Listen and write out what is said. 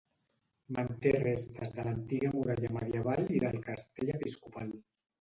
Manté restes de l'antiga muralla medieval i del castell episcopal.